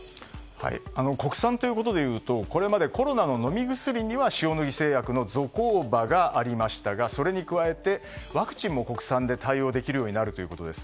国産ということでいうとこれまでコロナの飲み薬には塩野義製薬のゾコーバがありましたがそれに加えてワクチンも国産で対応できるようになるということです。